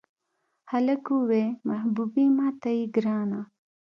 هلک ووې محبوبې ماته یې ګرانه.